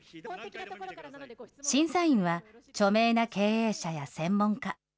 審査員は著名な経営者や専門家。